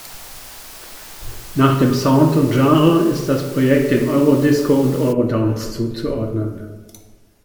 Nach dem Sound und Genre ist das Projekt dem Euro Disco und Eurodance zuzuordnen.